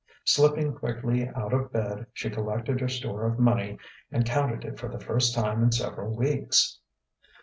Slipping quickly out of bed, she collected her store of money, and counted it for the first time in several weeks.